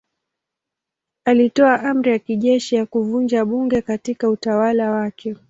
Alitoa amri ya kijeshi ya kuvunja bunge katika utawala wake.